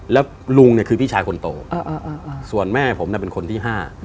แล้วลุงเนี่ยคือพี่ชายคนโตส่วนแม่ผมเป็นคนที่๕